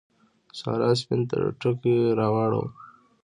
سارا سپين ټکی راووړ.